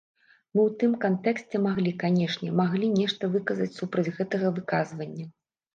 Мы ў тым кантэксце маглі, канешне, маглі нешта выказаць супраць гэтага выказвання.